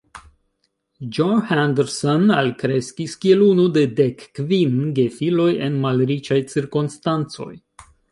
Joe Henderson alkreskis kiel unu de dek kvin gefiloj en malriĉaj cirkonstancoj.